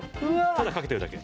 ただかけているだけ。